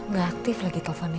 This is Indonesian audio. nggak aktif lagi telfonnya